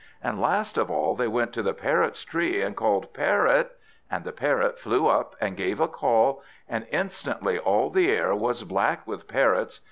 And last of all they went to the Parrot's tree, and called "Parrot!" And the Parrot flew up and gave a call, and instantly all the air was black with Parrots.